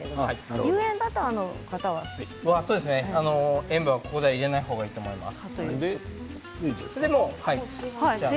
有塩バターの場合は塩分をここで入れない方がいいと思います。